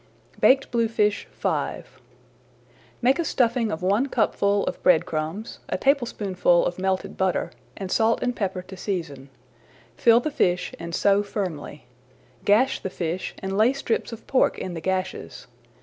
BAKED BLUEFISH V Make a stuffing of one cupful of bread crumbs, a tablespoonful of melted butter, and salt and pepper to season. Fill the fish and sew firmly. Gash the fish and lay strips of pork in the gashes.